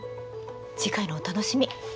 次回のお楽しみ。